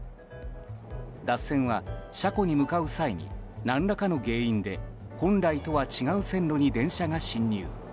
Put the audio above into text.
脱線は車庫に向かう際に何らかの原因で本来とは違う線路に電車が進入。